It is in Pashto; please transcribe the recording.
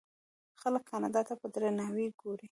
خلک کاناډا ته په درناوي ګوري.